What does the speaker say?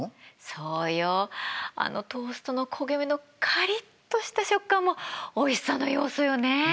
そうよあのトーストの焦げ目のカリッとした食感もおいしさの要素よね。